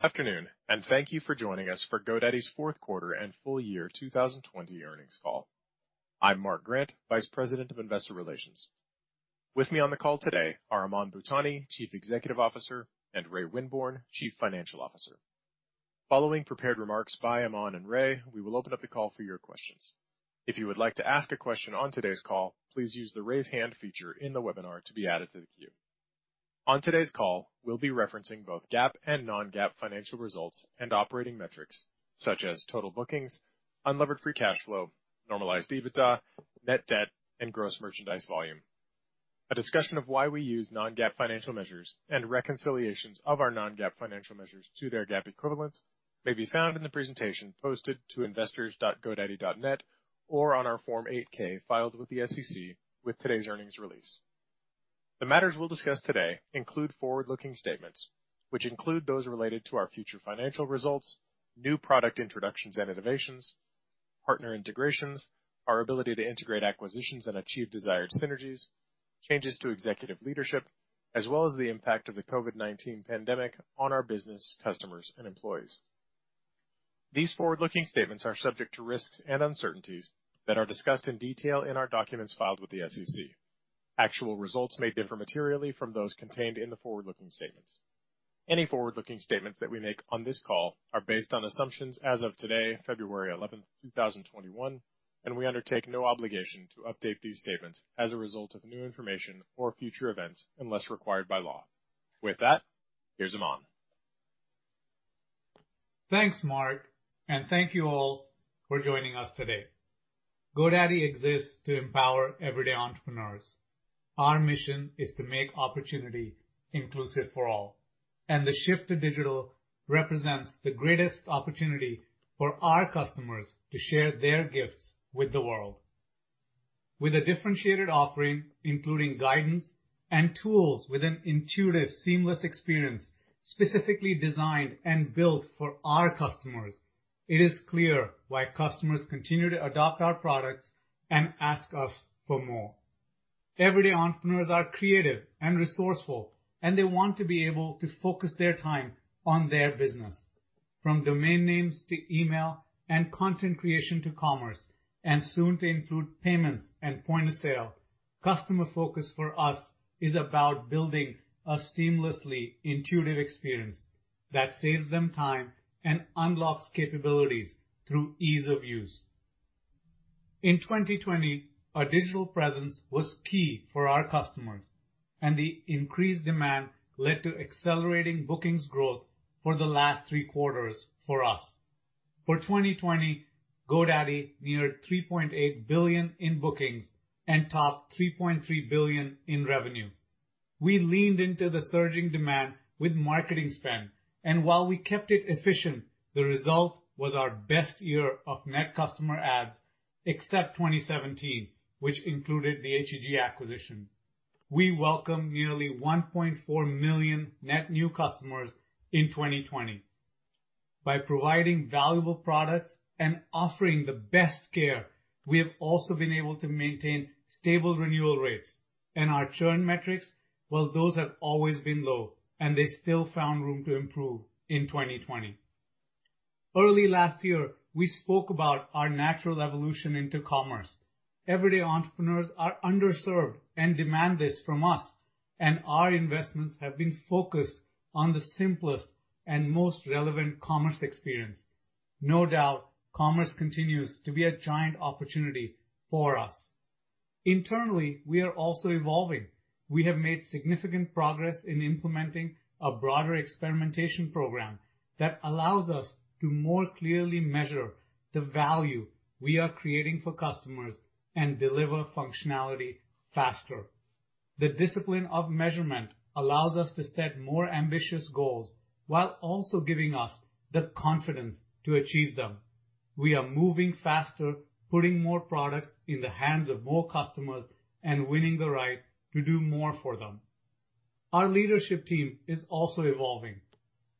Afternoon, thank you for joining us for GoDaddy's fourth quarter and full year 2020 earnings call. I'm Mark Grant, Vice President Investor Relations. With me on the call today are Aman Bhutani, Chief Executive Officer, and Ray Winborne, Chief Financial Officer. Following prepared remarks by Aman and Ray, we will open up the call for your questions. If you would like to ask a question on today's call, please use the raise hand feature in the webinar to be added to the queue. On today's call, we'll be referencing both GAAP and non-GAAP financial results and operating metrics such as total bookings, unlevered free cash flow, normalized EBITDA, net debt, and gross merchandise volume. A discussion of why we use non-GAAP financial measures and reconciliations of our non-GAAP financial measures to their GAAP equivalents may be found in the presentation posted to investors.godaddy.net or on our Form 8-K filed with the SEC with today's earnings release. The matters we'll discuss today include forward-looking statements, which include those related to our future financial results, new product introductions and innovations, partner integrations, our ability to integrate acquisitions and achieve desired synergies, changes to executive leadership, as well as the impact of the COVID-19 pandemic on our business, customers, and employees. These forward-looking statements are subject to risks and uncertainties that are discussed in detail in our documents filed with the SEC. Actual results may differ materially from those contained in the forward-looking statements. Any forward-looking statements that we make on this call are based on assumptions as of today, February 11th, 2021, and we undertake no obligation to update these statements as a result of new information or future events, unless required by law. With that, here's Aman. Thanks, Mark, and thank you all for joining us today. GoDaddy exists to empower everyday entrepreneurs. Our mission is to make opportunity inclusive for all, and the shift to digital represents the greatest opportunity for our customers to share their gifts with the world. With a differentiated offering, including guidance and tools with an intuitive, seamless experience, specifically designed and built for our customers, it is clear why customers continue to adopt our products and ask us for more. Everyday entrepreneurs are creative and resourceful, and they want to be able to focus their time on their business. From domain names to email and content creation to commerce, and soon to include payments and point of sale, customer focus for us is about building a seamlessly intuitive experience that saves them time and unlocks capabilities through ease of use. In 2020, a digital presence was key for our customers, and the increased demand led to accelerating bookings growth for the last three quarters for us. For 2020, GoDaddy neared $3.8 billion in bookings and topped $3.3 billion in revenue. We leaned into the surging demand with marketing spend, and while we kept it efficient, the result was our best year of net customer adds, except 2017, which included the HEG acquisition. We welcomed nearly 1.4 million net new customers in 2020. By providing valuable products and offering the best care, we have also been able to maintain stable renewal rates. Our churn metrics, well, those have always been low, and they still found room to improve in 2020. Early last year, we spoke about our natural evolution into commerce. Everyday entrepreneurs are underserved and demand this from us, and our investments have been focused on the simplest and most relevant commerce experience. No doubt, commerce continues to be a giant opportunity for us. Internally, we are also evolving. We have made significant progress in implementing a broader experimentation program that allows us to more clearly measure the value we are creating for customers and deliver functionality faster. The discipline of measurement allows us to set more ambitious goals while also giving us the confidence to achieve them. We are moving faster, putting more products in the hands of more customers, and winning the right to do more for them. Our leadership team is also evolving.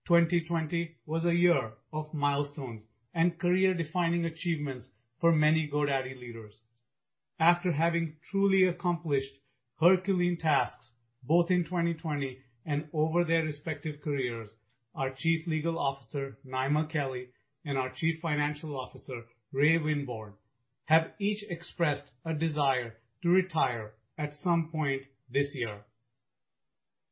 2020 was a year of milestones and career-defining achievements for many GoDaddy leaders. After having truly accomplished Herculean tasks, both in 2020 and over their respective careers, our Chief Legal Officer, Nima Kelly, and our Chief Financial Officer, Ray Winborne, have each expressed a desire to retire at some point this year.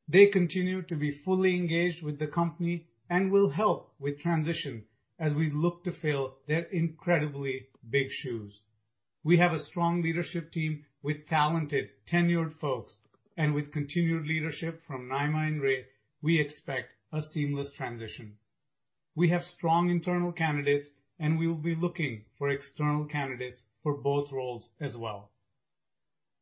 They continue to be fully engaged with the company and will help with transition as we look to fill their incredibly big shoes. We have a strong leadership team with talented, tenured folks, and with continued leadership from Nima and Ray, we expect a seamless transition. We have strong internal candidates, and we will be looking for external candidates for both roles as well.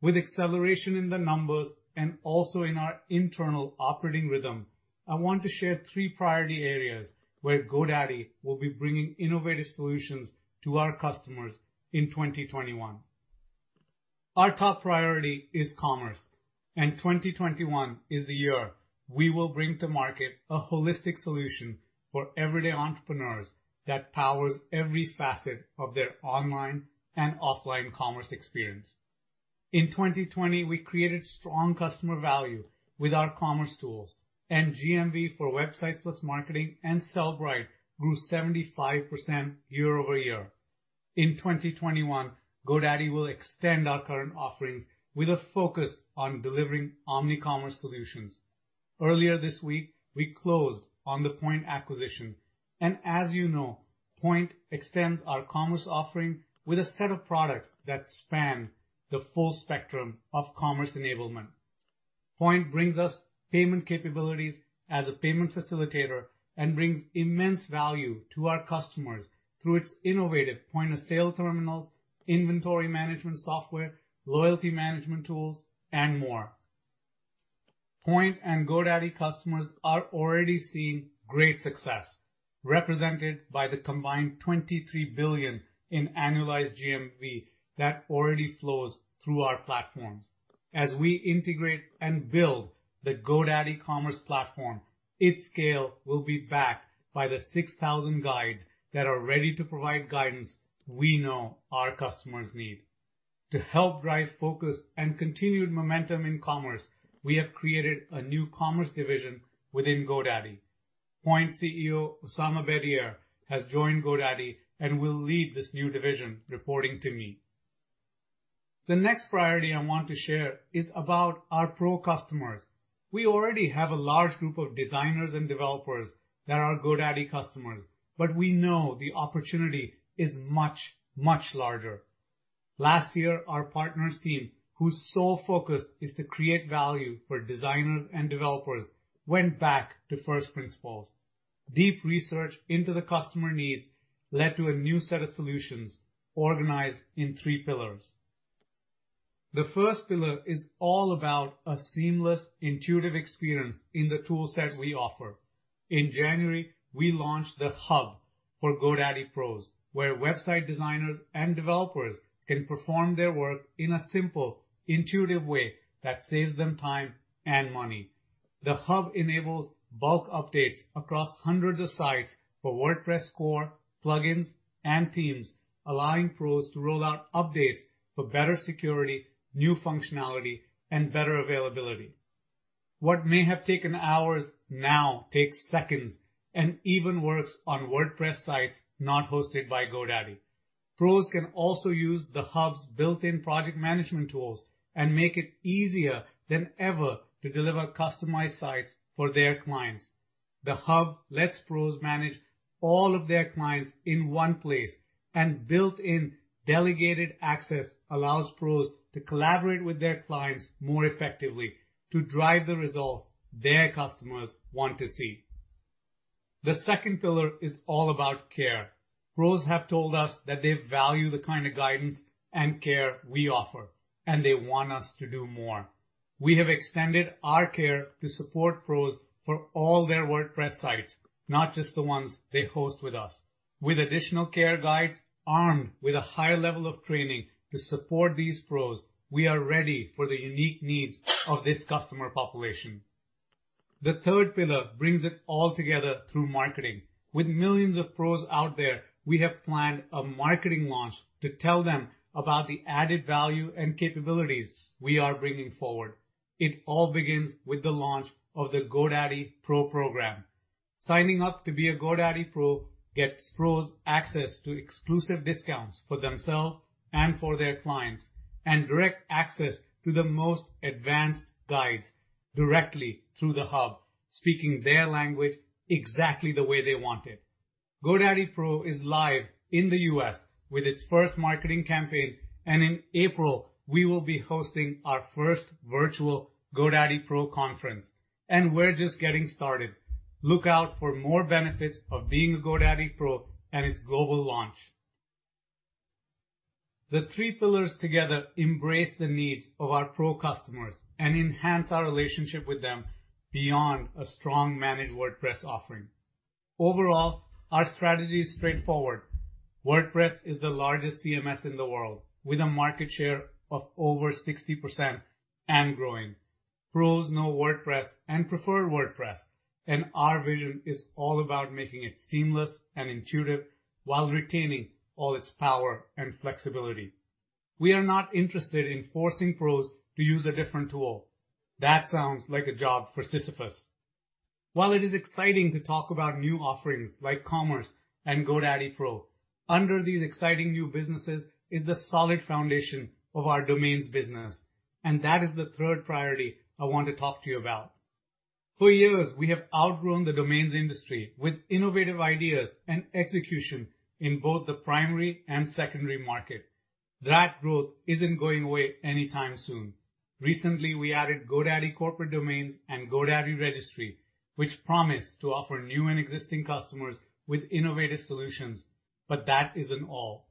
With acceleration in the numbers and also in our internal operating rhythm, I want to share three priority areas where GoDaddy will be bringing innovative solutions to our customers in 2021. Our top priority is commerce, and 2021 is the year we will bring to market a holistic solution for everyday entrepreneurs that powers every facet of their online and offline commerce experience. In 2020, we created strong customer value with our commerce tools, and GMV for Websites + Marketing and Sellbrite grew 75% year-over-year. In 2021, GoDaddy will extend our current offerings with a focus on delivering omni-commerce solutions. Earlier this week, we closed on the Poynt acquisition, and as you know, Poynt extends our commerce offering with a set of products that span the full spectrum of commerce enablement. Poynt brings us payment capabilities as a payment facilitator and brings immense value to our customers through its innovative point-of-sale terminals, inventory management software, loyalty management tools, and more. Poynt and GoDaddy customers are already seeing great success, represented by the combined $23 billion in annualized GMV that already flows through our platforms. As we integrate and build the GoDaddy commerce platform, its scale will be backed by the 6,000 guides that are ready to provide guidance we know our customers need. To help drive focus and continued momentum in commerce, we have created a new commerce division within GoDaddy. Poynt CEO, Osama Bedier, has joined GoDaddy and will lead this new division, reporting to me. The next priority I want to share is about our Pro customers. We already have a large group of designers and developers that are GoDaddy customers. We know the opportunity is much, much larger. Last year, our partners team, whose sole focus is to create value for designers and developers, went back to first principles. Deep research into the customer needs led to a new set of solutions organized in three pillars. The first pillar is all about a seamless, intuitive experience in the tool set we offer. In January, we launched the Hub for GoDaddy Pros, where website designers and developers can perform their work in a simple, intuitive way that saves them time and money. The Hub enables bulk updates across hundreds of sites for WordPress core, plugins, and themes, allowing Pros to roll out updates for better security, new functionality, better availability. What may have taken hours now takes seconds and even works on WordPress sites not hosted by GoDaddy. Pros can also use the Hub's built-in project management tools and make it easier than ever to deliver customized sites for their clients. The Hub lets Pros manage all of their clients in one place. Built-in delegated access allows Pros to collaborate with their clients more effectively to drive the results their customers want to see. The second pillar is all about care. Pros have told us that they value the kind of guidance and care we offer. They want us to do more. We have extended our care to support Pros for all their WordPress sites, not just the ones they host with us. With additional care guides armed with a higher level of training to support these Pros, we are ready for the unique needs of this customer population. The third pillar brings it all together through marketing. With millions of Pros out there, we have planned a marketing launch to tell them about the added value and capabilities we are bringing forward. It all begins with the launch of the GoDaddy Pro program. Signing up to be a GoDaddy Pro gets Pros access to exclusive discounts for themselves and for their clients, and direct access to the most advanced guides directly through the Hub, speaking their language exactly the way they want it. GoDaddy Pro is live in the U.S. with its first marketing campaign. In April, we will be hosting our first virtual GoDaddy Pro conference. We're just getting started. Look out for more benefits of being a GoDaddy Pro at its global launch. The three pillars together embrace the needs of our Pro customers and enhance our relationship with them beyond a strong Managed WordPress offering. Overall, our strategy is straightforward. WordPress is the largest CMS in the world, with a market share of over 60% and growing. Pros know WordPress and prefer WordPress. Our vision is all about making it seamless and intuitive while retaining all its power and flexibility. We are not interested in forcing Pros to use a different tool. That sounds like a job for Sisyphus. While it is exciting to talk about new offerings like Commerce and GoDaddy Pro, under these exciting new businesses is the solid foundation of our domains business, and that is the third priority I want to talk to you about. For years, we have outgrown the domains industry with innovative ideas and execution in both the primary and secondary market. That growth isn't going away anytime soon. Recently, we added GoDaddy Corporate Domains and GoDaddy Registry, which promise to offer new and existing customers with innovative solutions. That isn't all.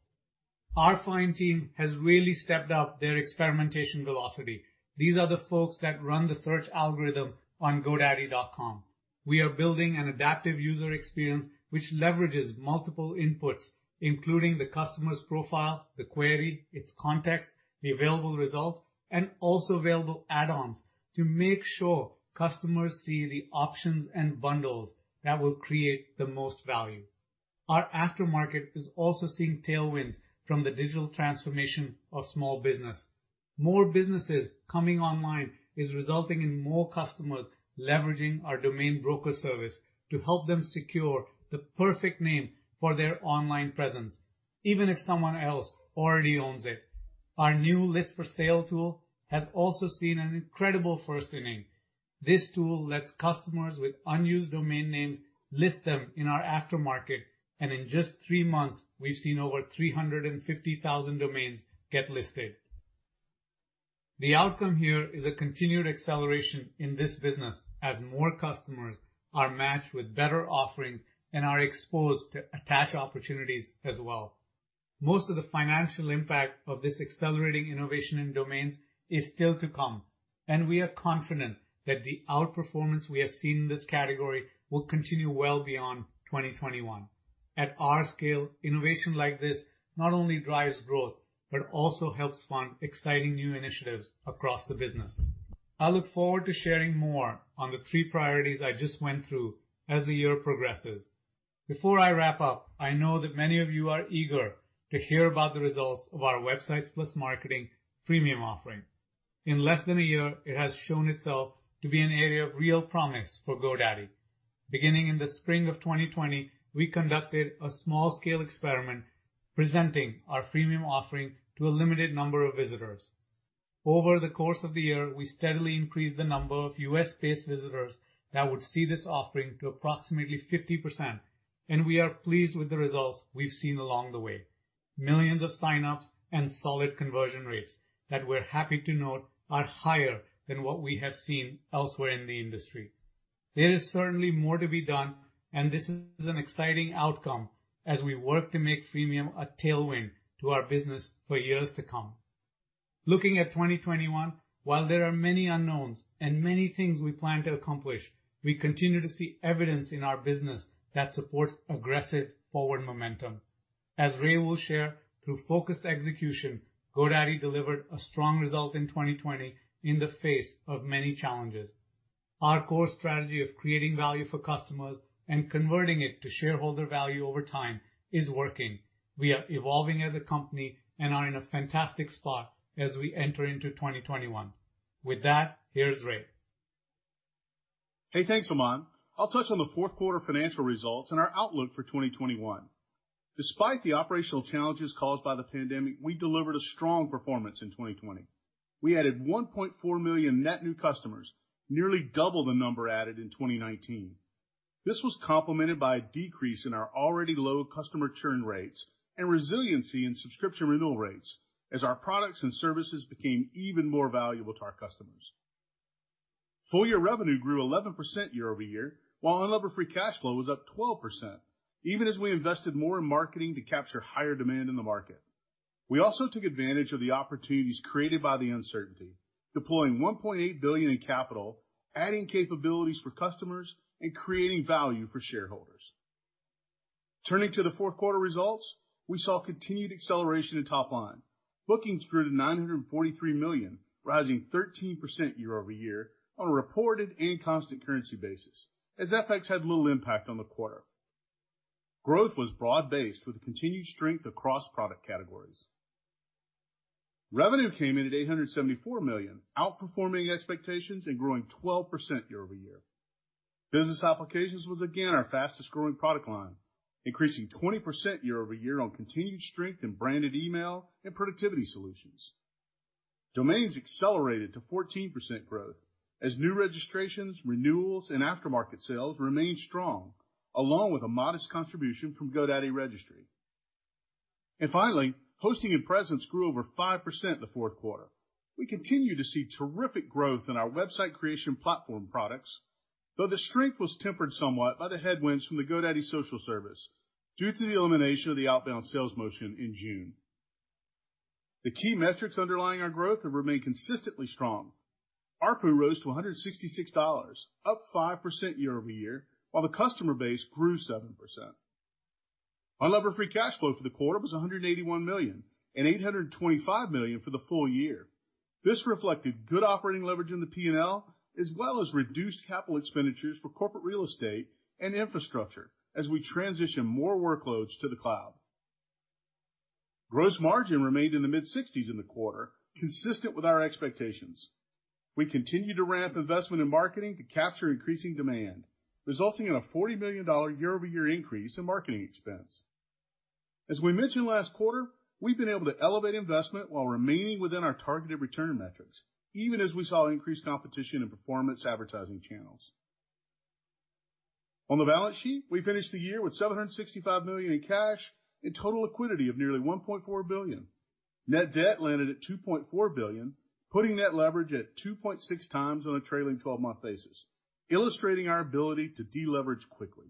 Our find team has really stepped up their experimentation velocity. These are the folks that run the search algorithm on godaddy.com. We are building an adaptive user experience which leverages multiple inputs, including the customer's profile, the query, its context, the available results, and also available add-ons to make sure customers see the options and bundles that will create the most value. Our aftermarket is also seeing tailwinds from the digital transformation of small business. More businesses coming online is resulting in more customers leveraging our domain broker service to help them secure the perfect name for their online presence, even if someone else already owns it. Our new List for Sale tool has also seen an incredible first inning. This tool lets customers with unused domain names list them in our aftermarket, and in just three months, we've seen over 350,000 domains get listed. The outcome here is a continued acceleration in this business as more customers are matched with better offerings and are exposed to attach opportunities as well. Most of the financial impact of this accelerating innovation in domains is still to come, and we are confident that the outperformance we have seen in this category will continue well beyond 2021. At our scale, innovation like this not only drives growth, but also helps fund exciting new initiatives across the business. I look forward to sharing more on the three priorities I just went through as the year progresses. Before I wrap up, I know that many of you are eager to hear about the results of our Websites + Marketing freemium offering. In less than a year, it has shown itself to be an area of real promise for GoDaddy. Beginning in the spring of 2020, we conducted a small-scale experiment presenting our freemium offering to a limited number of visitors. Over the course of the year, we steadily increased the number of U.S.-based visitors that would see this offering to approximately 50%. We are pleased with the results we've seen along the way. Millions of sign-ups and solid conversion rates that we're happy to note are higher than what we have seen elsewhere in the industry. There is certainly more to be done. This is an exciting outcome as we work to make freemium a tailwind to our business for years to come. Looking at 2021, while there are many unknowns and many things we plan to accomplish, we continue to see evidence in our business that supports aggressive forward momentum. As Ray will share, through focused execution, GoDaddy delivered a strong result in 2020 in the face of many challenges. Our core strategy of creating value for customers and converting it to shareholder value over time is working. We are evolving as a company and are in a fantastic spot as we enter into 2021. With that, here's Ray. Hey, thanks, Aman. I'll touch on the fourth quarter financial results and our outlook for 2021. Despite the operational challenges caused by the pandemic, we delivered a strong performance in 2020. We added 1.4 million net new customers, nearly double the number added in 2019. This was complemented by a decrease in our already low customer churn rates and resiliency in subscription renewal rates as our products and services became even more valuable to our customers. Full year revenue grew 11% year-over-year, while unlevered free cash flow was up 12%, even as we invested more in marketing to capture higher demand in the market. We also took advantage of the opportunities created by the uncertainty, deploying $1.8 billion in capital, adding capabilities for customers, and creating value for shareholders. Turning to the fourth quarter results, we saw continued acceleration in top line. Bookings grew to $943 million, rising 13% year-over-year on a reported and constant currency basis, as FX had little impact on the quarter. Growth was broad-based with the continued strength across product categories. Revenue came in at $874 million, outperforming expectations and growing 12% year-over-year. Business applications was again our fastest-growing product line, increasing 20% year-over-year on continued strength in branded email and productivity solutions. Domains accelerated to 14% growth as new registrations, renewals, and aftermarket sales remained strong, along with a modest contribution from GoDaddy Registry. Finally, hosting and presence grew over 5% in the fourth quarter. We continue to see terrific growth in our website creation platform products, though the strength was tempered somewhat by the headwinds from the GoDaddy Social service due to the elimination of the outbound sales motion in June. The key metrics underlying our growth have remained consistently strong. ARPU rose to $166, up 5% year-over-year, while the customer base grew 7%. Unlevered free cash flow for the quarter was $181 million and $825 million for the full year. This reflected good operating leverage in the P&L, as well as reduced capital expenditures for corporate real estate and infrastructure as we transition more workloads to the cloud. Gross margin remained in the mid-60s in the quarter, consistent with our expectations. We continued to ramp investment in marketing to capture increasing demand, resulting in a $40 million year-over-year increase in marketing expense. As we mentioned last quarter, we've been able to elevate investment while remaining within our targeted return metrics, even as we saw increased competition in performance advertising channels. On the balance sheet, we finished the year with $765 million in cash and total liquidity of nearly $1.4 billion. Net debt landed at $2.4 billion, putting net leverage at 2.6 times on a trailing 12-month basis, illustrating our ability to deleverage quickly.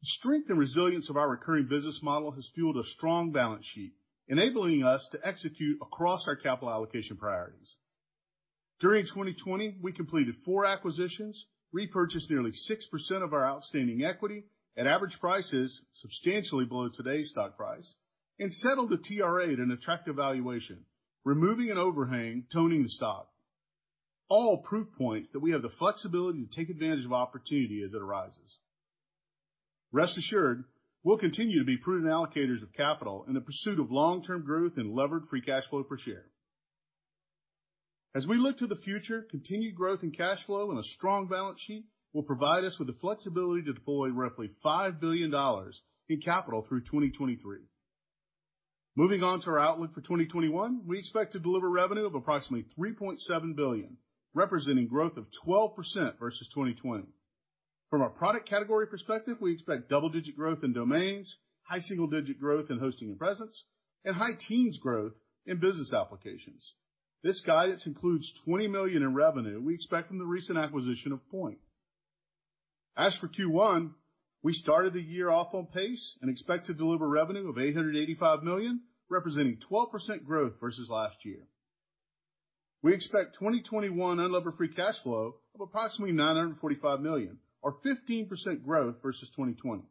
The strength and resilience of our recurring business model has fueled a strong balance sheet, enabling us to execute across our capital allocation priorities. During 2020, we completed four acquisitions, repurchased nearly 6% of our outstanding equity at average prices substantially below today's stock price, and settled the TRA at an attractive valuation, removing an overhang toning the stock. All proof points that we have the flexibility to take advantage of opportunity as it arises. Rest assured, we'll continue to be prudent allocators of capital in the pursuit of long-term growth and levered free cash flow per share. As we look to the future, continued growth in cash flow and a strong balance sheet will provide us with the flexibility to deploy roughly $5 billion in capital through 2023. Moving on to our outlook for 2021, we expect to deliver revenue of approximately $3.7 billion, representing growth of 12% versus 2020. From a product category perspective, we expect double-digit growth in domains, high single-digit growth in hosting and presence, and high teens growth in business applications. This guidance includes $20 million in revenue we expect from the recent acquisition of Poynt. As for Q1, we started the year off on pace and expect to deliver revenue of $885 million, representing 12% growth versus last year. We expect 2021 unlevered free cash flow of approximately $945 million, or 15% growth versus 2020.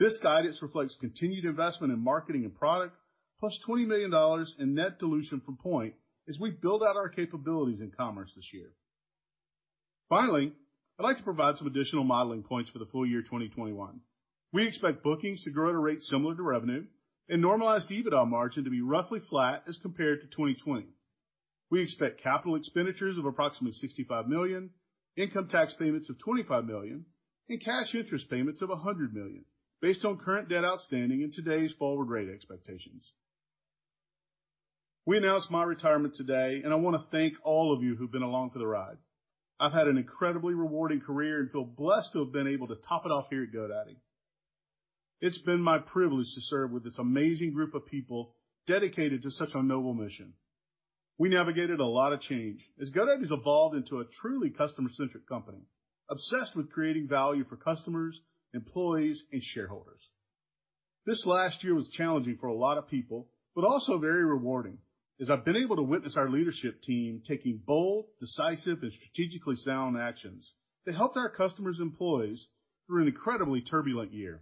This guidance reflects continued investment in marketing and product, plus $20 million in net dilution from Poynt as we build out our capabilities in commerce this year. Finally, I'd like to provide some additional modeling points for the full year 2021. We expect bookings to grow at a rate similar to revenue and normalized EBITDA margin to be roughly flat as compared to 2020. We expect capital expenditures of approximately $65 million, income tax payments of $25 million, and cash interest payments of $100 million based on current debt outstanding and today's forward rate expectations. We announced my retirement today. I want to thank all of you who've been along for the ride. I've had an incredibly rewarding career and feel blessed to have been able to top it off here at GoDaddy. It's been my privilege to serve with this amazing group of people dedicated to such a noble mission. We navigated a lot of change as GoDaddy's evolved into a truly customer-centric company, obsessed with creating value for customers, employees, and shareholders. This last year was challenging for a lot of people, but also very rewarding, as I've been able to witness our leadership team taking bold, decisive, and strategically sound actions that helped our customers' employees through an incredibly turbulent year.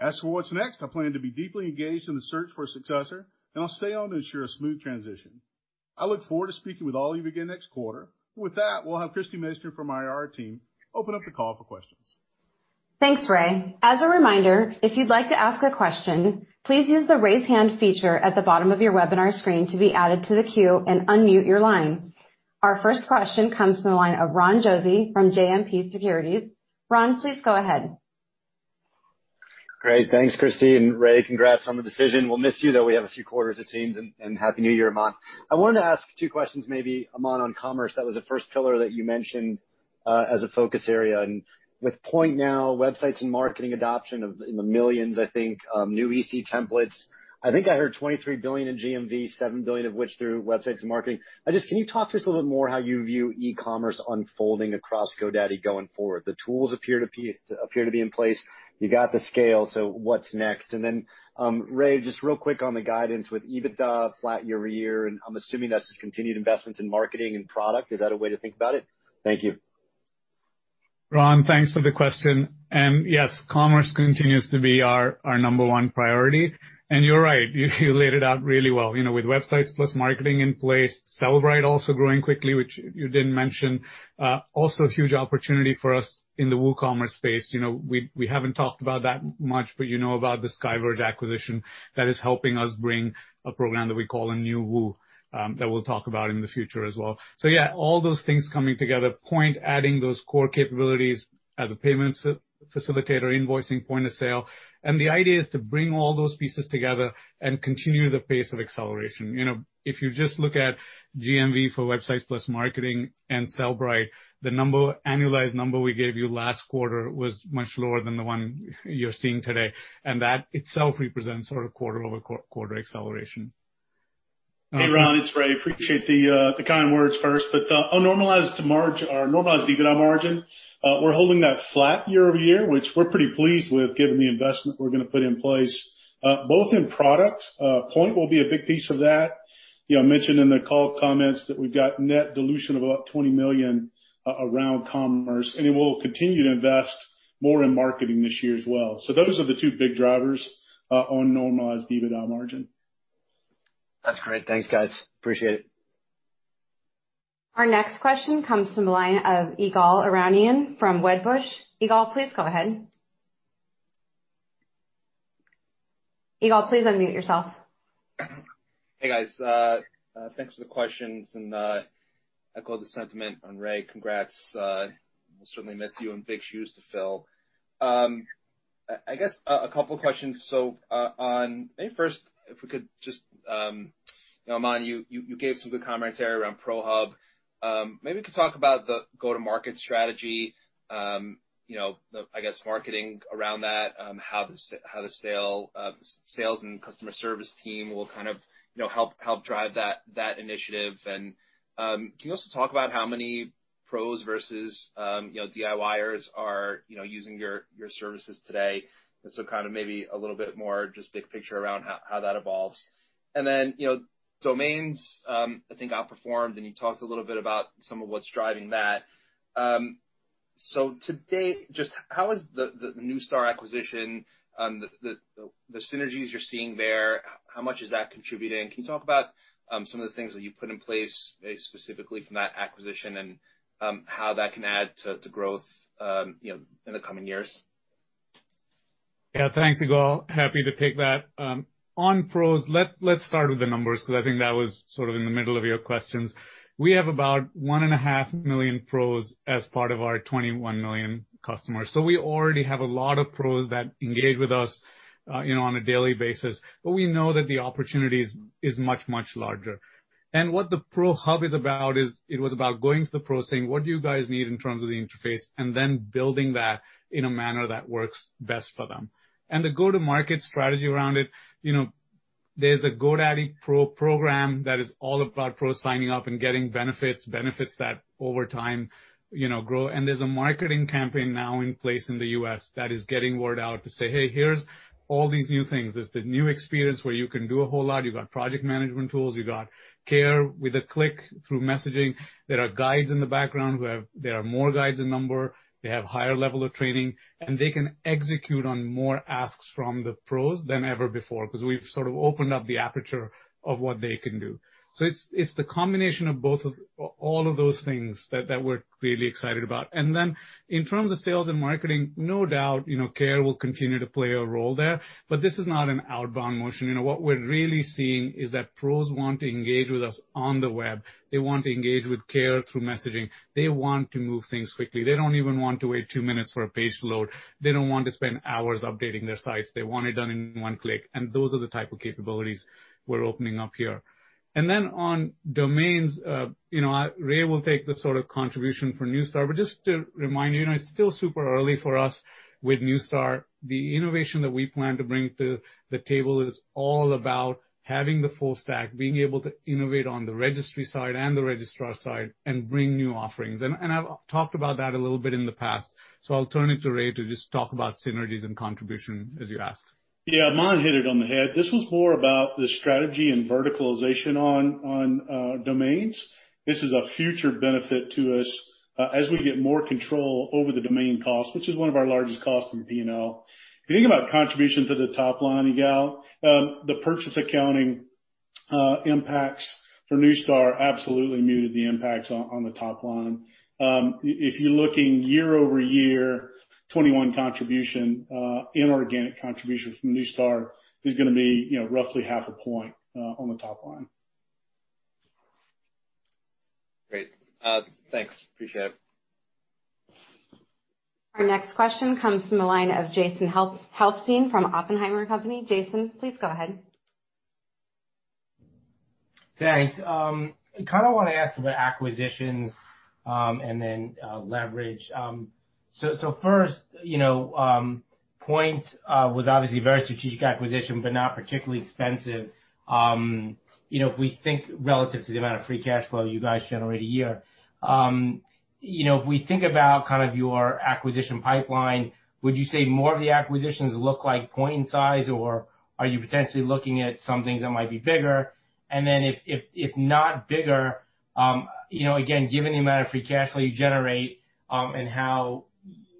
As for what's next, I plan to be deeply engaged in the search for a successor, and I'll stay on to ensure a smooth transition. I look forward to speaking with all of you again next quarter. With that, we'll have Christie Masoner from our IR team open up the call for questions. Thanks, Ray. As a reminder, if you'd like to ask a question, please use the Raise Hand feature at the bottom of your webinar screen to be added to the queue and unmute your line. Our first question comes from the line of Ron Josey from JMP Securities. Ron, please go ahead. Great. Thanks, Christie, and Ray, congrats on the decision. We'll miss you, though we have a few quarters to teams, and Happy New Year, Aman. I wanted to ask two questions, maybe, Aman, on commerce. That was the first pillar that you mentioned as a focus area. With Poynt now, Websites + Marketing adoption in the millions, I think, new EC templates. I think I heard $23 billion in GMV, $7 billion of which through Websites + Marketing. Can you talk to us a little bit more how you view e-commerce unfolding across GoDaddy going forward? The tools appear to be in place. You got the scale, what's next? Then, Ray, just real quick on the guidance with EBITDA flat year-over-year, I'm assuming that's just continued investments in marketing and product. Is that a way to think about it? Thank you. Ron, thanks for the question. Yes, commerce continues to be our number one priority. You're right. You laid it out really well. With Websites + Marketing in place, Sellbrite also growing quickly, which you didn't mention. Also a huge opportunity for us in the WooCommerce space. We haven't talked about that much, but you know about the SkyVerge acquisition that is helping us bring a program that we call a new Woo, that we'll talk about in the future as well. Yeah, all those things coming together, Poynt adding those core capabilities as a payment facilitator, invoicing, point of sale. The idea is to bring all those pieces together and continue the pace of acceleration. If you just look at GMV for Websites + Marketing and Sellbrite, the annualized number we gave you last quarter was much lower than the one you're seeing today. That itself represents sort of quarter-over-quarter acceleration. Hey, Ron, it's Ray. Appreciate the kind words first. On normalized EBITDA margin, we're holding that flat year-over-year, which we're pretty pleased with given the investment we're going to put in place, both in product. Poynt will be a big piece of that. Mentioned in the call comments that we've got net dilution of about $20 million around commerce, and we'll continue to invest more in marketing this year as well. Those are the two big drivers on normalized EBITDA margin. That's great. Thanks, guys. Appreciate it. Our next question comes from the line of Ygal Arounian from Wedbush. Ygal, please go ahead. Ygal, please unmute yourself. Hey, guys. Thanks for the questions. Echo the sentiment on Ray. Congrats. We'll certainly miss you, and big shoes to fill. I guess, a couple of questions. Maybe first, if we could just Aman, you gave some good commentary around Pro Hub. Maybe you could talk about the go-to-market strategy, I guess marketing around that, how the sales and customer service team will kind of help drive that initiative. Can you also talk about how many pros versus DIYers are using your services today? Kind of maybe a little bit more just big picture around how that evolves. Then, domains, I think, outperformed, and you talked a little bit about some of what's driving that. Today, just how is the Neustar acquisition, the synergies you're seeing there, how much is that contributing? Can you talk about some of the things that you've put in place specifically from that acquisition and how that can add to growth in the coming years? Yeah. Thanks, Ygal. Happy to take that. On pros, let's start with the numbers because I think that was sort of in the middle of your questions. We have about one and a half million pros as part of our 21 million customers. We already have a lot of pros that engage with us on a daily basis. We know that the opportunities is much, much larger. What the Pro Hub is about is it was about going to the pro saying, "What do you guys need in terms of the interface?" Then building that in a manner that works best for them. The go-to-market strategy around it, there's a GoDaddy Pro program that is all about pros signing up and getting benefits that over time grow. There's a marketing campaign now in place in the U.S. that is getting word out to say, "Hey, here's all these new things." There's the new experience where you can do a whole lot. You've got project management tools, you got care with a click through messaging. There are guides in the background where there are more guides in number, they have higher level of training, and they can execute on more asks from the pros than ever before, because we've sort of opened up the aperture of what they can do. It's the combination of all of those things that we're really excited about. In terms of sales and marketing, no doubt care will continue to play a role there, but this is not an outbound motion. What we're really seeing is that pros want to engage with us on the web. They want to engage with care through messaging. They want to move things quickly. They don't even want to wait two minutes for a page load. They don't want to spend hours updating their sites. They want it done in one click. Those are the type of capabilities we're opening up here. Then on domains, Ray will take the sort of contribution for Neustar. Just to remind you, it's still super early for us with Neustar. The innovation that we plan to bring to the table is all about having the full stack, being able to innovate on the registry side and the registrar side and bring new offerings. I've talked about that a little bit in the past, so I'll turn it to Ray to just talk about synergies and contribution as you asked. Yeah. Aman hit it on the head. This was more about the strategy and verticalization on domains. This is a future benefit to us as we get more control over the domain cost, which is one of our largest costs in P&L. If you think about contribution to the top line, Ygal, the purchase accounting impacts for Neustar absolutely muted the impacts on the top line. If you're looking year-over-year 2021 contribution, inorganic contribution from Neustar is going to be roughly half a point on the top line. Great. Thanks. Appreciate it. Our next question comes from the line of Jason Helfstein from Oppenheimer & Co. Jason, please go ahead. Thanks. I kind of want to ask about acquisitions and then leverage. First, Poynt was obviously a very strategic acquisition, but not particularly expensive. If we think relative to the amount of free cash flow you guys generate a year, if we think about kind of your acquisition pipeline, would you say more of the acquisitions look like Poynt in size, or are you potentially looking at some things that might be bigger? If not bigger, again, given the amount of free cash flow you generate and how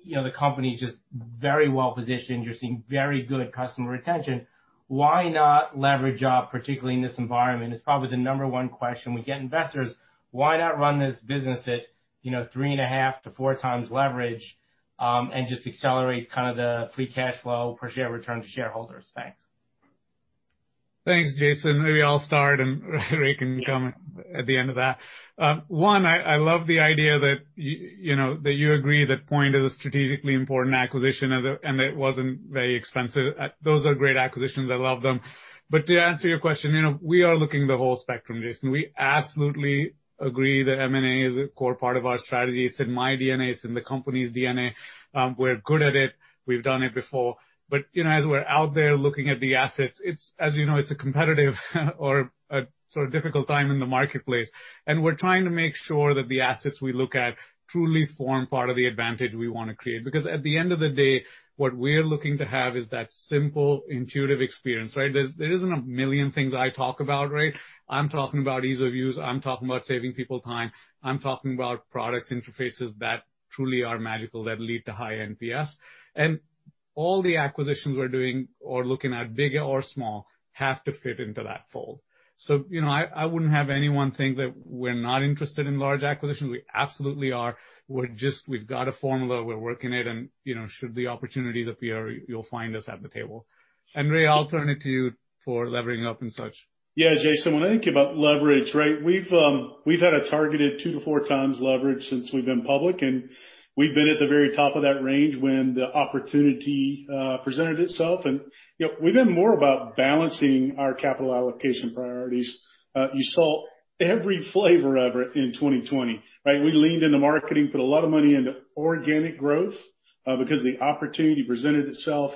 the company's just very well positioned, you're seeing very good customer retention, why not leverage up, particularly in this environment? It's probably the number one question we get investors. Why not run this business at 3.5 to four times leverage and just accelerate kind of the free cash flow per share return to shareholders? Thanks. Thanks, Jason. Maybe I'll start and Ray can come at the end of that. One, I love the idea that you agree that Poynt is a strategically important acquisition and it wasn't very expensive. Those are great acquisitions. I love them. To answer your question, we are looking the whole spectrum, Jason. We absolutely agree that M&A is a core part of our strategy. It's in my DNA. It's in the company's DNA. We're good at it. We've done it before. As we're out there looking at the assets, as you know, it's a competitive or a sort of difficult time in the marketplace, and we're trying to make sure that the assets we look at truly form part of the advantage we want to create, because at the end of the day, what we're looking to have is that simple, intuitive experience, right? There isn't a million things I talk about, right? I'm talking about ease of use. I'm talking about saving people time. I'm talking about products interfaces that truly are magical, that lead to high NPS. All the acquisitions we're doing or looking at, big or small, have to fit into that fold. I wouldn't have anyone think that we're not interested in large acquisitions. We absolutely are. We've got a formula. We're working it, should the opportunities appear, you'll find us at the table. Ray, I'll turn it to you for levering up and such. Yeah, Jason, when I think about leverage, right, we've had a targeted two to four times leverage since we've been public. We've been at the very top of that range when the opportunity presented itself. We've been more about balancing our capital allocation priorities. You saw every flavor of it in 2020, right? We leaned into marketing, put a lot of money into organic growth because the opportunity presented itself.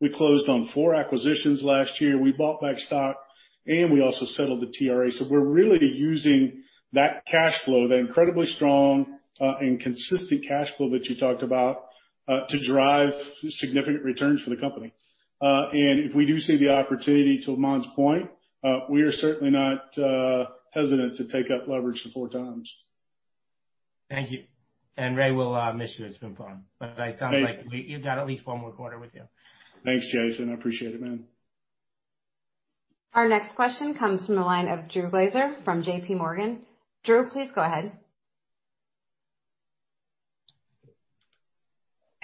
We closed on four acquisitions last year. We bought back stock. We also settled the TRA. We're really using that cash flow, that incredibly strong and consistent cash flow that you talked about, to drive significant returns for the company. If we do see the opportunity, to Aman's point, we are certainly not hesitant to take up leverage to four times. Thank you. Ray, we'll miss you. It's been fun. It sounds like you've got at least one more quarter with you. Thanks, Jason. I appreciate it, man. Our next question comes from the line of Drew Glazer from JP Morgan. Drew, please go ahead.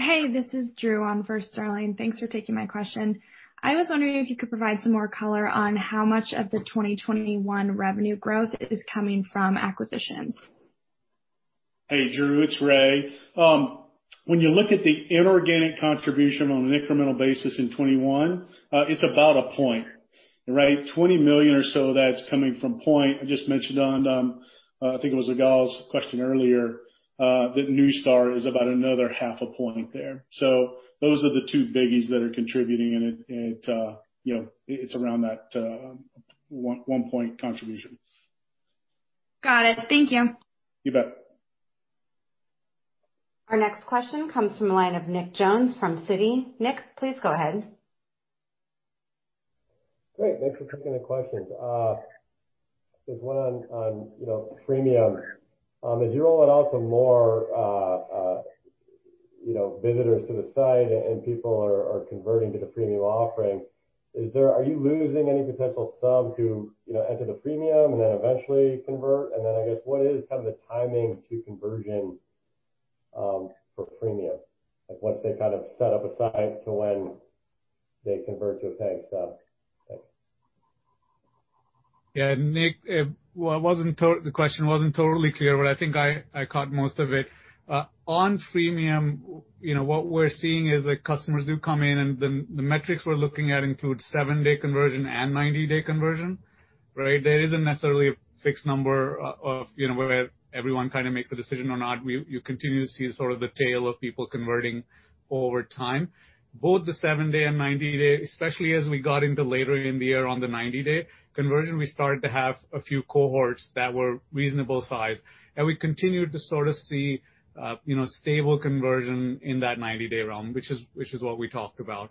Hey, this is Drew on for Sterling. Thanks for taking my question. I was wondering if you could provide some more color on how much of the 2021 revenue growth is coming from acquisitions. Hey, Drew, it's Ray. When you look at the inorganic contribution on an incremental basis in 2021, it's about a point. 20 million or so that's coming from Poynt. I just mentioned on, I think it was Ygal's question earlier, that Neustar is about another half a point there. Those are the two biggies that are contributing and it's around that one point contribution. Got it. Thank you. You bet. Our next question comes from the line of Nick Jones from Citi. Nick, please go ahead. Great. Thanks for taking the questions. There's one on freemium. As you roll it out to more visitors to the site and people are converting to the freemium offering, are you losing any potential subs who enter the freemium and then eventually convert? Then, I guess, what is kind of the timing to conversion for freemium? Like once they kind of set up a site to when they convert to a paying sub. Thanks. Nick, the question wasn't totally clear, but I think I caught most of it. On freemium, what we're seeing is that customers do come in and the metrics we're looking at include seven-day conversion and 90-day conversion. There isn't necessarily a fixed number of where everyone kind of makes a decision or not. You continue to see sort of the tail of people converting over time. Both the seven-day and 90-day, especially as we got into later in the year on the 90-day conversion, we started to have a few cohorts that were reasonable size. We continued to sort of see stable conversion in that 90-day realm, which is what we talked about.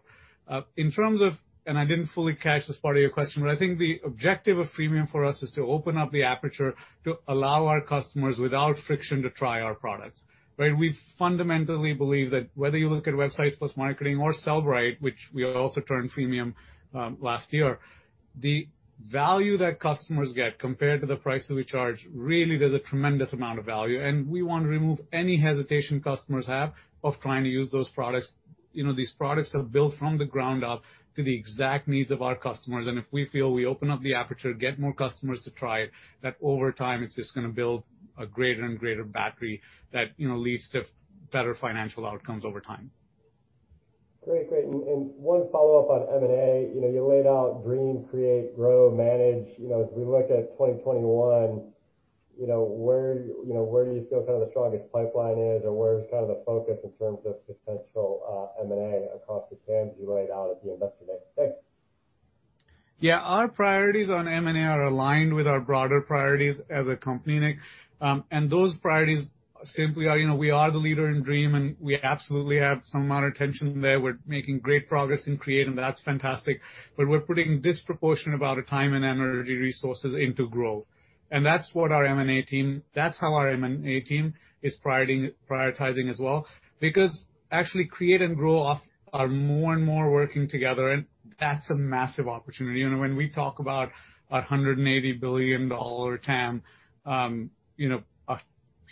In terms of, and I didn't fully catch this part of your question, but I think the objective of freemium for us is to open up the aperture to allow our customers without friction to try our products. We fundamentally believe that whether you look at Websites + Marketing or Sellbrite, which we also turned freemium last year, the value that customers get compared to the prices we charge really there's a tremendous amount of value. We want to remove any hesitation customers have of trying to use those products. These products are built from the ground up to the exact needs of our customers, and if we feel we open up the aperture, get more customers to try it, that over time it's just going to build a greater and greater battery that leads to better financial outcomes over time. Great. One follow-up on M&A. You laid out Dream, Create, Grow, Manage. As we look at 2021, where do you feel kind of the strongest pipeline is or where is kind of the focus in terms of potential M&A across the TAM as you laid out at the Investor Day? Thanks. Yeah. Our priorities on M&A are aligned with our broader priorities as a company, Nick. Those priorities simply are, we are the leader in Dream, and we absolutely have some amount of attention there. We're making great progress in Create, and that's fantastic. We're putting a disproportionate amount of time and energy resources into Grow. That's how our M&A team is prioritizing as well. Because actually, Create and Grow are more and more working together, and that's a massive opportunity. When we talk about $180 billion TAM, a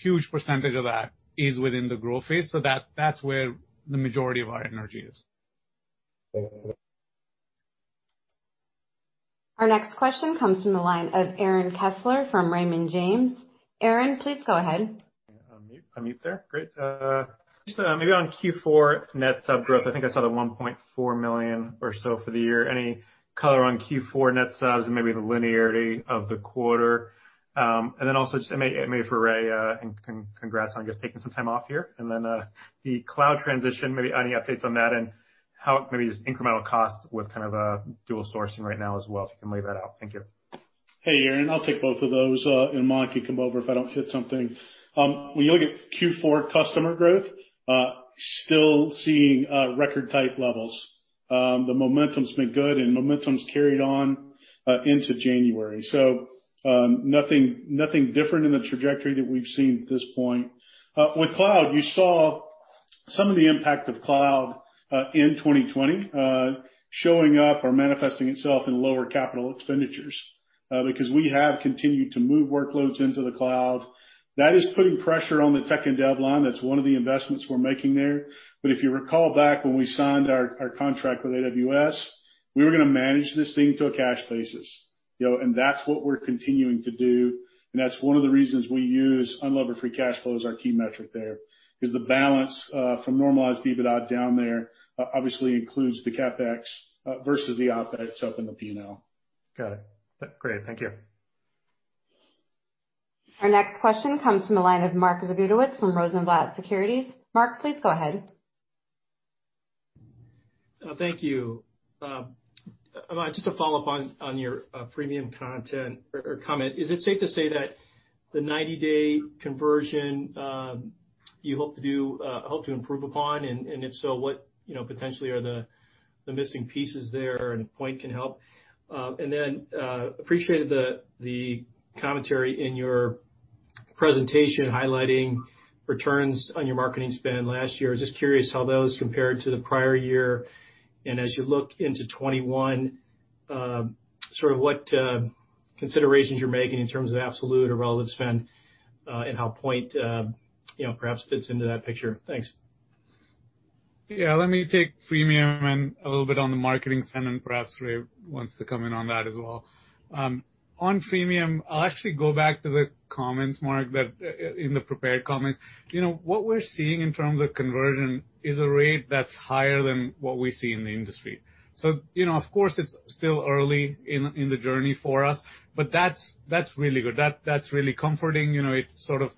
huge percentage of that is within the Grow phase. That's where the majority of our energy is. Thank you. Our next question comes from the line of Aaron Kessler from Raymond James. Aaron, please go ahead. On mute there. Great. Just maybe on Q4 net sub growth, I think I saw the 1.4 million or so for the year. Any color on Q4 net subs and maybe the linearity of the quarter? Also just maybe for Ray, and congrats on just taking some time off here. The cloud transition, maybe any updates on that and how maybe just incremental cost with kind of a dual sourcing right now as well, if you can lay that out. Thank you. Hey, Aaron, I'll take both of those. Aman can come over if I don't hit something. When you look at Q4 customer growth, still seeing record-type levels. The momentum's been good. Momentum's carried on into January. Nothing different in the trajectory that we've seen at this point. With cloud, you saw some of the impact of cloud in 2020 showing up or manifesting itself in lower capital expenditures because we have continued to move workloads into the cloud. That is putting pressure on the tech and dev line. That's one of the investments we're making there. If you recall back when we signed our contract with AWS, we were going to manage this thing to a cash basis. That's what we're continuing to do, and that's one of the reasons we use unlevered free cash flow as our key metric there, is the balance from normalized EBITDA down there obviously includes the CapEx versus the OpEx up in the P&L. Got it. Great. Thank you. Our next question comes from the line of Mark Zgutowicz from Rosenblatt Securities. Mark, please go ahead. Thank you. Aman, just a follow-up on your freemium comment. Is it safe to say that the 90-day conversion you hope to improve upon, and if so, what potentially are the missing pieces there and Poynt can help? Appreciated the commentary in your presentation highlighting returns on your marketing spend last year. Just curious how those compared to the prior year, and as you look into 2021, what considerations you're making in terms of absolute or relative spend, and how Poynt perhaps fits into that picture. Thanks. Yeah, let me take freemium and a little bit on the marketing spend, and perhaps Ray wants to come in on that as well. On freemium, I'll actually go back to the comments, Mark, in the prepared comments. What we're seeing in terms of conversion is a rate that's higher than what we see in the industry. Of course, it's still early in the journey for us, but that's really good. That's really comforting. It sort of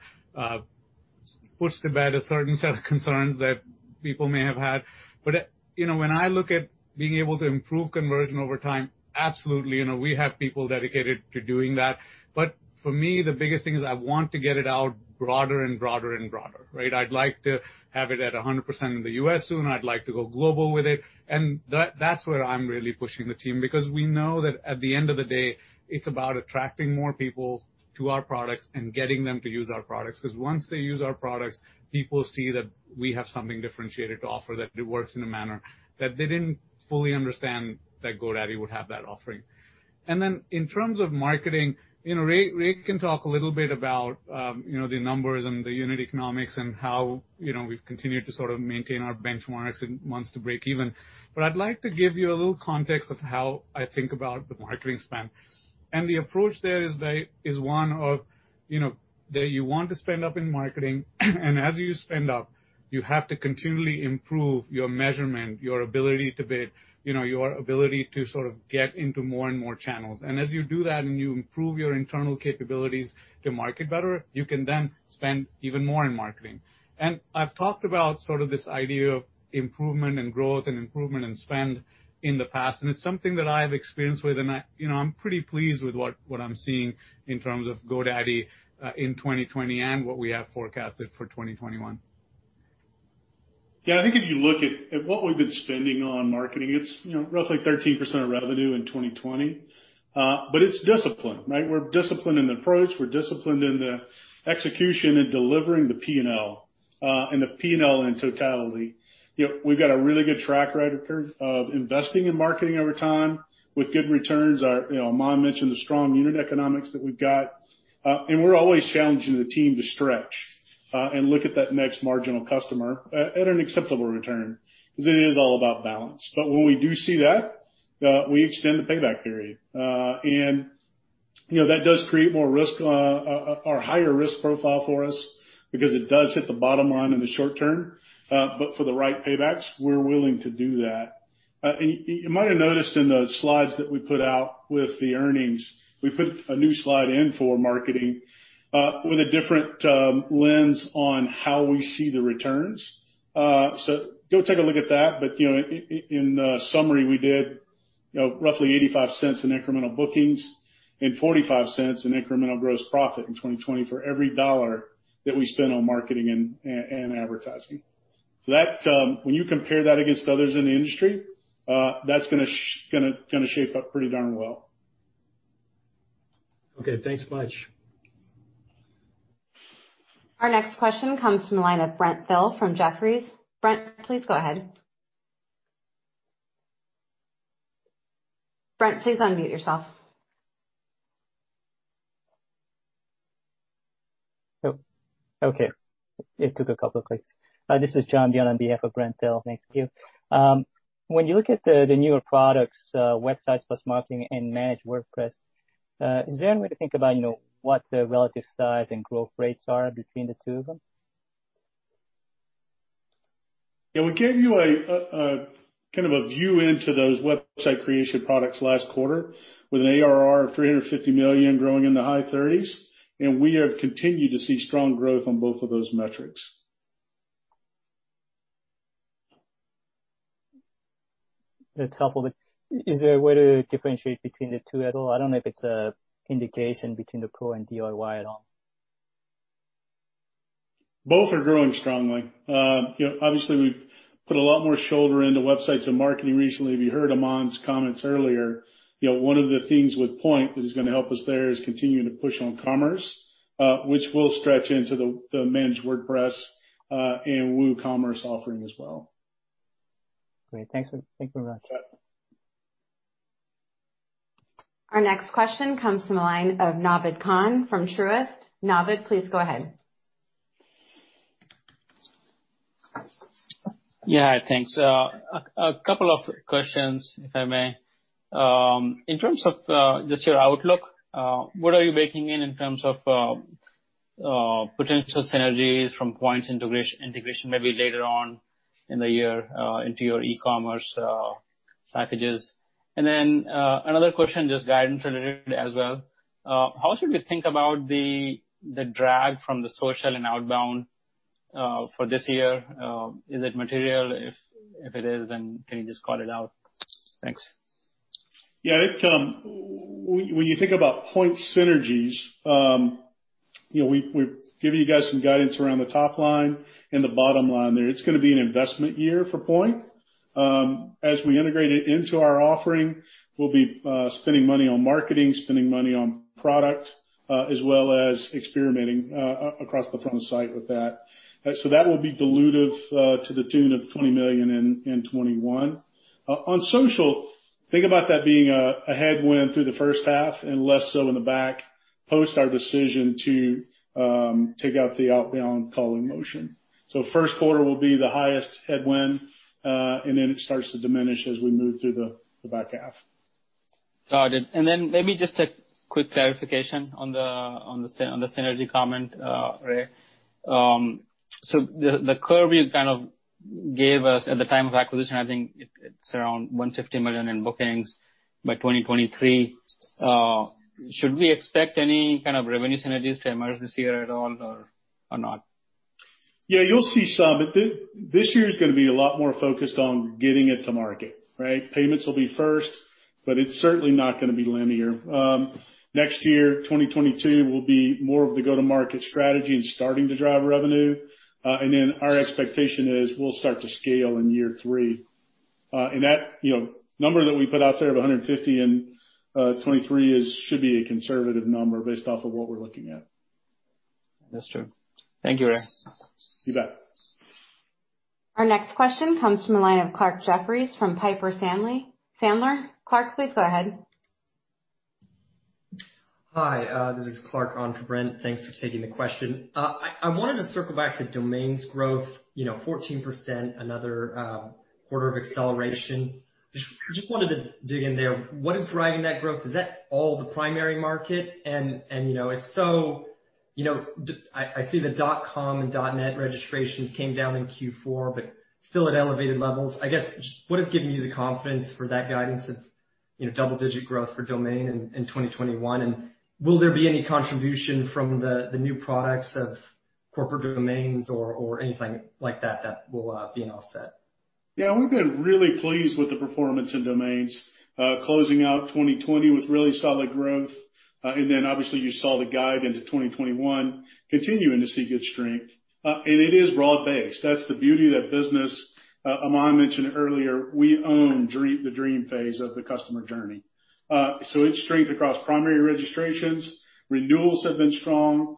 puts to bed a certain set of concerns that people may have had. When I look at being able to improve conversion over time, absolutely, we have people dedicated to doing that. For me, the biggest thing is I want to get it out broader and broader and broader, right? I'd like to have it at 100% in the U.S. soon. I'd like to go global with it. That's where I'm really pushing the team, because we know that at the end of the day, it's about attracting more people to our products and getting them to use our products, because once they use our products, people see that we have something differentiated to offer, that it works in a manner that they didn't fully understand that GoDaddy would have that offering. Then in terms of marketing, Ray can talk a little bit about the numbers and the unit economics and how we've continued to sort of maintain our benchmarks and months to break even. But I'd like to give you a little context of how I think about the marketing spend. The approach there is one of that you want to spend up in marketing, as you spend up, you have to continually improve your measurement, your ability to bid, your ability to sort of get into more and more channels. As you do that and you improve your internal capabilities to market better, you can then spend even more in marketing. I've talked about sort of this idea of improvement and growth and improvement in spend in the past, and it's something that I have experience with, and I'm pretty pleased with what I'm seeing in terms of GoDaddy, in 2020 and what we have forecasted for 2021. Yeah, I think if you look at what we've been spending on marketing, it's roughly 13% of revenue in 2020. It's disciplined, right? We're disciplined in the approach, we're disciplined in the execution and delivering the P&L, and the P&L in totality. We've got a really good track record of investing in marketing over time with good returns. Aman mentioned the strong unit economics that we've got. We're always challenging the team to stretch, and look at that next marginal customer at an acceptable return, because it is all about balance. When we do see that, we extend the payback period. That does create more risk or higher risk profile for us because it does hit the bottom line in the short term. For the right paybacks, we're willing to do that. You might have noticed in the slides that we put out with the earnings, we put a new slide in for marketing, with a different lens on how we see the returns. Go take a look at that. In summary, we did roughly $0.85 in incremental bookings and $0.45 in incremental gross profit in 2020 for every $1 that we spent on marketing and advertising. When you compare that against others in the industry, that's going to shape up pretty darn well. Okay, thanks much. Our next question comes from the line of Brent Thill from Jefferies. Brent, please go ahead. Brent, please unmute yourself. Oh, okay. It took a couple clicks. This is John Dion on behalf of Brent Thill. Thank you. When you look at the newer products, Websites + Marketing and Managed WordPress, is there any way to think about what the relative size and growth rates are between the two of them? Yeah. We gave you a kind of a view into those website creation products last quarter with an ARR of $350 million growing in the high thirties, and we have continued to see strong growth on both of those metrics. That's helpful, but is there a way to differentiate between the two at all? I don't know if it's an indication between the Pro and DIY at all. Both are growing strongly. Obviously, we've put a lot more shoulder into Websites + Marketing recently. If you heard Aman's comments earlier, one of the things with Poynt that is going to help us there is continuing to push on commerce, which will stretch into the Managed WordPress, and WooCommerce offering as well. Great. Thanks. Thank you very much. Yeah. Our next question comes from the line of Naved Khan from Truist. Naved, please go ahead. Yeah. Thanks. A couple of questions, if I may. In terms of just your outlook, what are you baking in in terms of potential synergies from Poynt integration maybe later on in the year into your e-commerce packages? Another question, just guidance related as well. How should we think about the drag from the social and outbound for this year? Is it material? If it is, then can you just call it out? Thanks. When you think about Poynt synergies, we've given you guys some guidance around the top line and the bottom line there. It's going to be an investment year for Poynt. As we integrate it into our offering, we'll be spending money on marketing, spending money on product, as well as experimenting across the front site with that. That will be dilutive to the tune of $20 million in 2021. On Social, think about that being a headwind through the first half and less so in the back, post our decision to take out the outbound calling motion. The first quarter will be the highest headwind, and then it starts to diminish as we move through the back half. Got it. Then maybe just a quick clarification on the synergy comment, Ray. The curve you kind of gave us at the time of acquisition, I think it's around $150 million in bookings by 2023. Should we expect any kind of revenue synergies to emerge this year at all or not? Yeah, you'll see some, but this year's going to be a lot more focused on getting it to market, right? Payments will be first, but it's certainly not going to be linear. Next year, 2022, will be more of the go-to-market strategy and starting to drive revenue. Our expectation is we'll start to scale in year three. That number that we put out there of $150 in 2023 should be a conservative number based off of what we're looking at. That's true. Thank you, Ray. You bet. Our next question comes from the line of Clarke Jeffries from Piper Sandler. Clarke, please go ahead. Hi, this is Clarke on for Brent. Thanks for taking the question. I wanted to circle back to domains growth, 14%, another quarter of acceleration. Just wanted to dig in there. What is driving that growth? Is that all the primary market? If so, I see the .com and .net registrations came down in Q4, but still at elevated levels. I guess, just what is giving you the confidence for that guidance of double-digit growth for domains in 2021, and will there be any contribution from the new products of Corporate Domains or anything like that that will be an offset? Yeah. We've been really pleased with the performance in Domains. Closing out 2020 with really solid growth, then obviously you saw the guide into 2021 continuing to see good strength. It is broad-based. That's the beauty of that business. Aman mentioned earlier, we own the dream phase of the customer journey. It's strength across primary registrations. Renewals have been strong.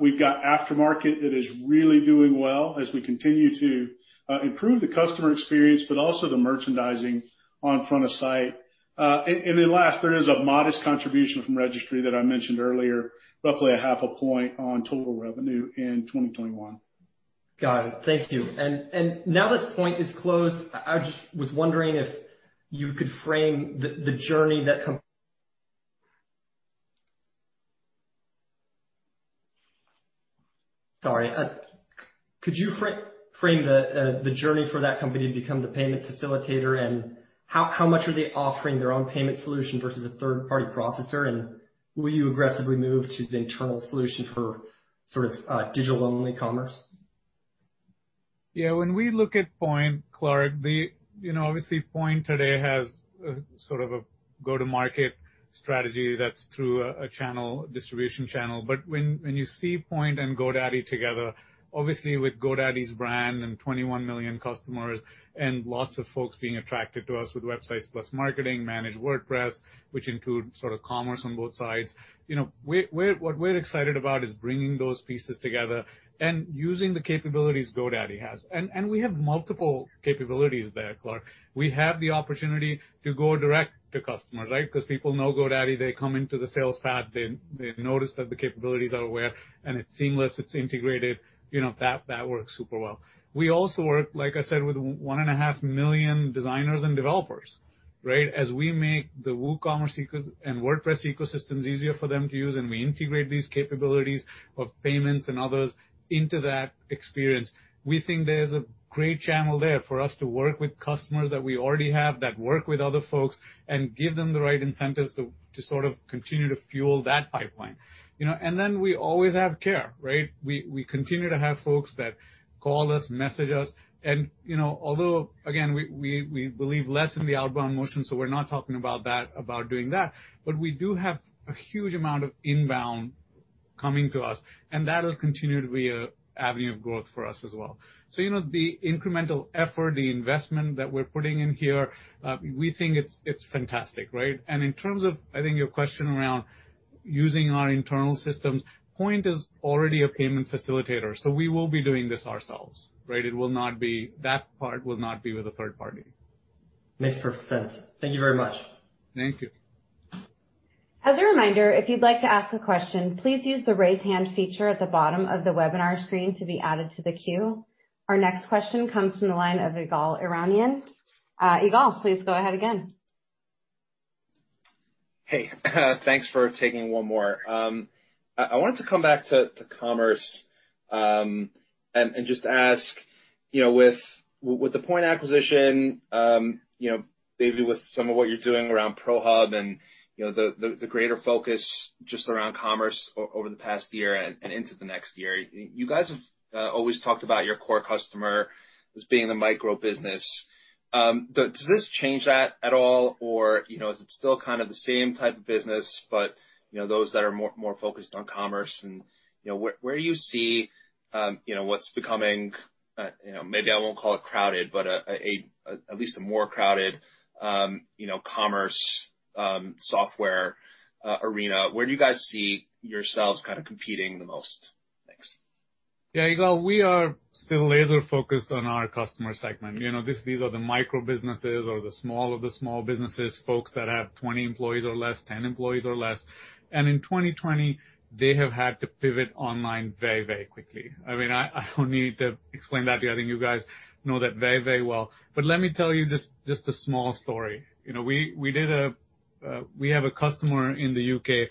We've got aftermarket that is really doing well as we continue to improve the customer experience, also the merchandising on front of site. Then last, there is a modest contribution from Registry that I mentioned earlier, roughly a half a point on total revenue in 2021. Got it. Thank you. Now that Poynt is closed, I just was wondering if you could frame the journey for that company to become the payment facilitator, and how much are they offering their own payment solution versus a third-party processor, and will you aggressively move to the internal solution for sort of digital-only commerce? Yeah. When we look at Poynt, Clarke, obviously Poynt today has sort of a go-to-market strategy that's through a distribution channel. When you see Poynt and GoDaddy together, obviously with GoDaddy's brand and 21 million customers and lots of folks being attracted to us with Websites + Marketing, Managed WordPress, which include sort of commerce on both sides. What we're excited about is bringing those pieces together and using the capabilities GoDaddy has. We have multiple capabilities there, Clarke. We have the opportunity to go direct to customers, right? People know GoDaddy. They come into the sales path. They notice that the capabilities are there, and it's seamless, it's integrated. That works super well. We also work, like I said, with one and a half million designers and developers, right? As we make the WooCommerce and WordPress ecosystems easier for them to use, and we integrate these capabilities of payments and others into that experience, we think there's a great channel there for us to work with customers that we already have that work with other folks and give them the right incentives to sort of continue to fuel that pipeline. Then we always have care, right? We continue to have folks that call us, message us, and although, again, we believe less in the outbound motion, so we're not talking about doing that, but we do have a huge amount of inbound coming to us, and that'll continue to be an avenue of growth for us as well. The incremental effort, the investment that we're putting in here, we think it's fantastic, right? In terms of, I think your question around using our internal systems, Poynt is already a payment facilitator, so we will be doing this ourselves, right? That part will not be with a third party. Makes perfect sense. Thank you very much. Thank you. As a reminder, if you'd like to ask a question, please use the raise hand feature at the bottom of the webinar screen to be added to the queue. Our next question comes from the line of Ygal Arounian. Ygal, please go ahead again. Hey, thanks for taking one more. I wanted to come back to commerce. Just ask, with the Poynt acquisition, maybe with some of what you're doing around ProHub and the greater focus just around commerce over the past year and into the next year, you guys have always talked about your core customer as being the micro business. Does this change that at all? Or is it still kind of the same type of business, but those that are more focused on commerce? Where do you see what's becoming, maybe I won't call it crowded, but at least a more crowded commerce software arena. Where do you guys see yourselves competing the most? Thanks. Yeah, Ygal, we are still laser focused on our customer segment. These are the micro businesses or the small of the small businesses, folks that have 20 employees or less, 10 employees or less. In 2020, they have had to pivot online very quickly. I don't need to explain that to you. I think you guys know that very well. Let me tell you just a small story. We have a customer in the U.K.,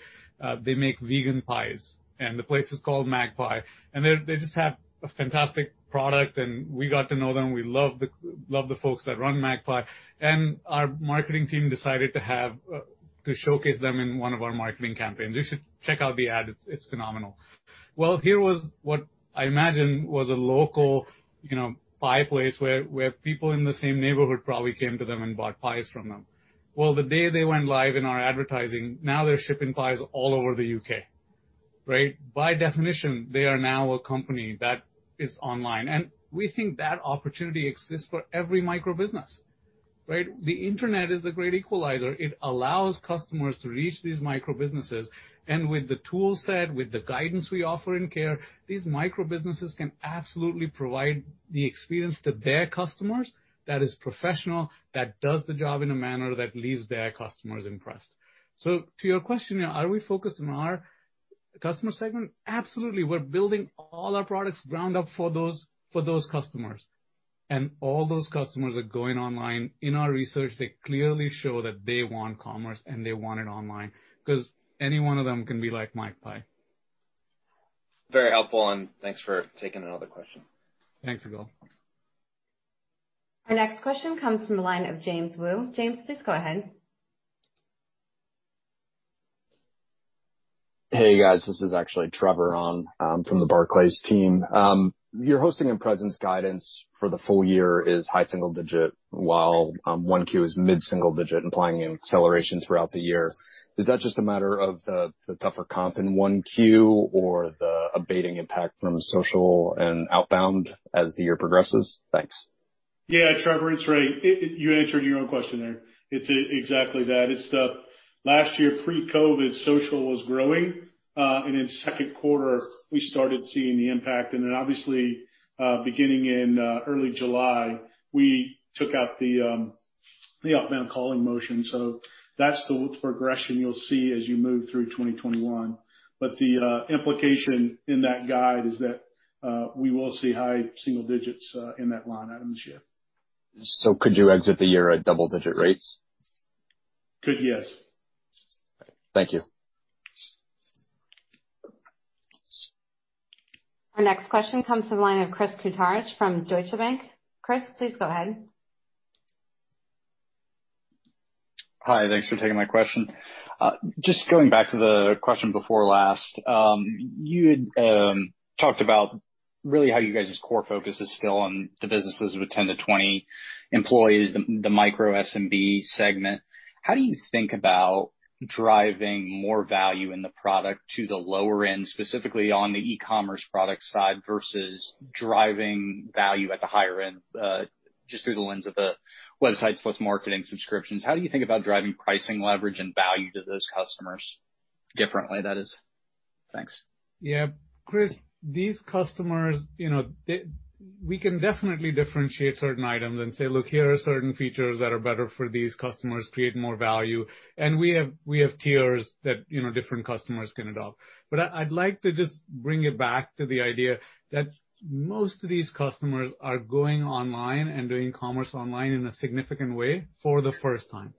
they make vegan pies, and the place is called Magpie. They just have a fantastic product, and we got to know them. We love the folks that run Magpie. Our marketing team decided to showcase them in one of our marketing campaigns. You should check out the ad. It's phenomenal. Here was what I imagine was a local pie place where people in the same neighborhood probably came to them and bought pies from them. The day they went live in our advertising, now they're shipping pies all over the U.K. By definition, they are now a company that is online. We think that opportunity exists for every micro business. The internet is the great equalizer. It allows customers to reach these micro businesses. With the tool set, with the guidance we offer in care, these micro businesses can absolutely provide the experience to their customers that is professional, that does the job in a manner that leaves their customers impressed. To your question, are we focused on our customer segment? Absolutely. We're building all our products ground up for those customers. All those customers are going online. In our research, they clearly show that they want commerce and they want it online because any one of them can be like Magpie. Very helpful, and thanks for taking another question. Thanks, Ygal. Our next question comes from the line of James Wu. James, please go ahead. Hey, guys. This is actually Trevor on from the Barclays team. Your hosting and presence guidance for the full year is high single digit, while 1Q is mid-single digit, implying an acceleration throughout the year. Is that just a matter of the tougher comp in 1Q or the abating impact from social and outbound as the year progresses? Thanks. Yeah, Trevor, it's Ray. You answered your own question there. It's exactly that. Last year, pre-COVID-19, GoDaddy Social was growing. In second quarter, we started seeing the impact. Obviously, beginning in early July, we took out the outbound calling motion. That's the progression you'll see as you move through 2021. The implication in that guide is that we will see high single digits in that line item this year. Could you exit the year at double-digit rates? Could, yes. Thank you. Our next question comes from the line of Chris Kuntarich from Deutsche Bank. Chris, please go ahead. Hi, thanks for taking my question. Just going back to the question before last. You had talked about really how you guys' core focus is still on the businesses with 10 to 20 employees, the micro SMB segment. How do you think about driving more value in the product to the lower end, specifically on the e-commerce product side, versus driving value at the higher end, just through the lens of the Websites + Marketing subscriptions? How do you think about driving pricing leverage and value to those customers differently, that is? Thanks. Yeah. Chris, these customers, we can definitely differentiate certain items and say, "Look, here are certain features that are better for these customers, create more value." We have tiers that different customers can adopt. I'd like to just bring it back to the idea that most of these customers are going online and doing commerce online in a significant way for the first time.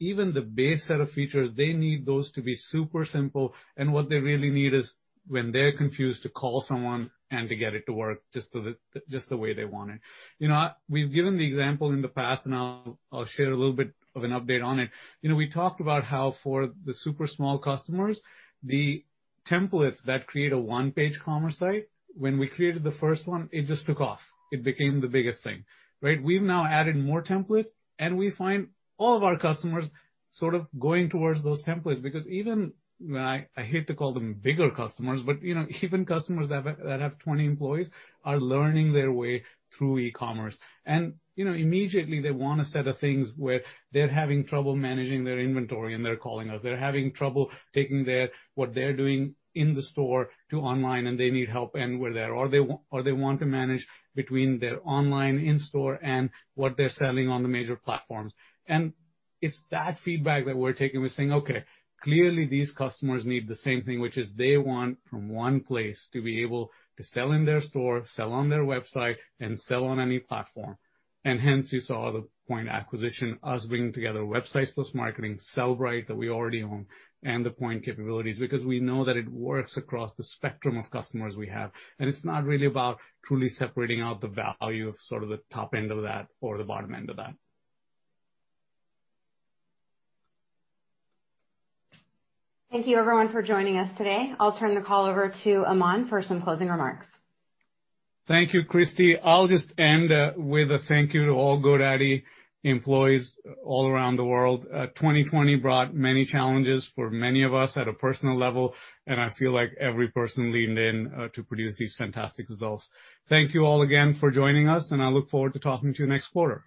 Even the base set of features, they need those to be super simple, and what they really need is when they're confused, to call someone and to get it to work just the way they want it. We've given the example in the past, and I'll share a little bit of an update on it. We talked about how for the super small customers, the templates that create a one-page commerce site, when we created the first one, it just took off. It became the biggest thing. We've now added more templates, and we find all of our customers sort of going towards those templates, because even, I hate to call them bigger customers, but even customers that have 20 employees are learning their way through e-commerce. Immediately they want a set of things where they're having trouble managing their inventory and they're calling us. They're having trouble taking what they're doing in the store to online, and they need help, and we're there. They want to manage between their online in-store and what they're selling on the major platforms. It's that feedback that we're taking. We're saying, "Okay, clearly these customers need the same thing, which is they want from one place to be able to sell in their store, sell on their website, and sell on any platform." Hence you saw the Poynt acquisition, us bringing together Websites + Marketing, Sellbrite that we already own, and the Poynt capabilities, because we know that it works across the spectrum of customers we have. It's not really about truly separating out the value of sort of the top end of that or the bottom end of that. Thank you everyone for joining us today. I'll turn the call over to Aman for some closing remarks. Thank you, Christie. I'll just end with a thank you to all GoDaddy employees all around the world. 2020 brought many challenges for many of us at a personal level, and I feel like every person leaned in to produce these fantastic results. Thank you all again for joining us, and I look forward to talking to you next quarter.